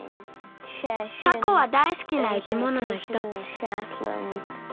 タコはだいすきな生き物のひとつ。